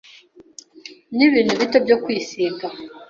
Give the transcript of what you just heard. nibintu bito byo kwisiga.